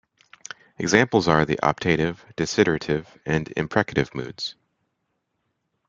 Examples are the optative, desiderative and imprecative moods.